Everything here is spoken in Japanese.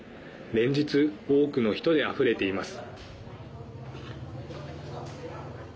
連日、多くの人であふれています。